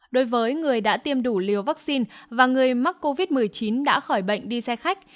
đối với người đã tiêm đủ liều vaccine và người mắc covid một mươi chín đã khỏi bệnh đi xe khách